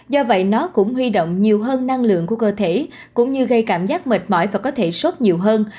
do vậy nó cũng huy động nhiều hơn năng lượng của cơ thể cũng như gây cảm giác mệt mỏi và có thể sốt nhiều hơn